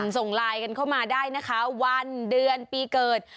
ส่งไลน์กันเข้ามาได้นะคะวันเดือนปีเกิด